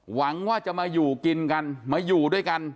หวังว่าจะมาอยู่กินกันมาอยู่ด้วยกัน